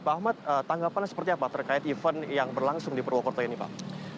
pak ahmad tanggapannya seperti apa terkait event yang berlangsung di purwokerto ini pak